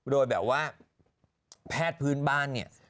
โดยแบบว่าแพทย์พื้นบ้านเนี่ย